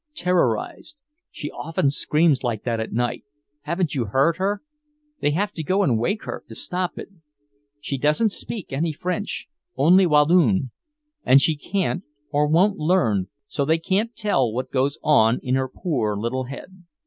"Terrorized. She often screams like that at night. Haven't you heard her? They have to go and wake her, to stop it. She doesn't speak any French; only Walloon. And she can't or won't learn, so they can't tell what goes on in her poor little head."